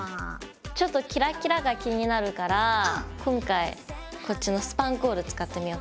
ちょっとキラキラが気になるから今回こっちのスパンコール使ってみよう。